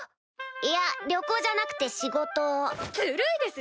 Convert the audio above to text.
いや旅行じゃなくて仕事ずるいです！